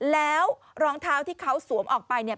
แล้วรองเท้าที่เขาสวมออกไปเนี่ย